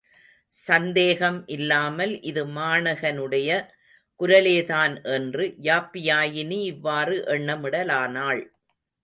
சந்தேகம் இல்லாமல் இது மாணகனுடைய குரலேதான் என்று யாப்பியாயினி இவ்வாறு எண்ணமிடலானாள்.